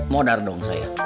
mau dar dong saya